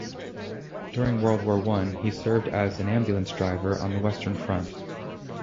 During World War One, he served as an ambulance driver on the Western Front.